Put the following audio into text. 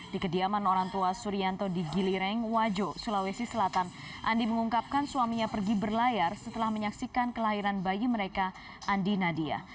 di kediaman orang tua surianto di gilireng wajo sulawesi selatan andi mengungkapkan suaminya pergi berlayar setelah menyaksikan kelahiran bayi mereka andi nadia